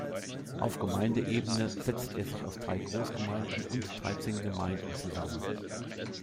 Auf Gemeindeebene setzt er sich aus drei Großgemeinden und dreizehn Gemeinden zusammen.